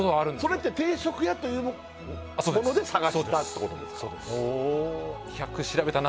それって定食屋というもので探したってことですか？